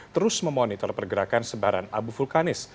terus memonitor pergerakan sebaran abu vulkanis